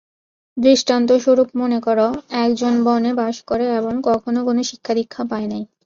দৃষ্টান্তস্বরূপ মনে কর, একজন বনে বাস করে এবং কখনও কোন শিক্ষা-দীক্ষা পায় নাই।